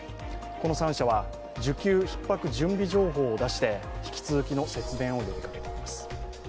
この３社は需給ひっ迫準備情報を出して引き続きの節電を呼びかけています。